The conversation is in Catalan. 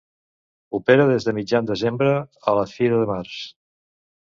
Opera des de mitjan desembre a la fi de març.